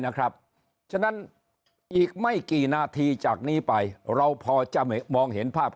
ฉะนั้นอีกไม่กี่นาทีจากนี้ไปเราพอจะมองเห็นภาพ